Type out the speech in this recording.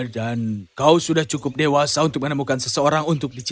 dan kau sudah cukup dewasa untuk menemukan seseorang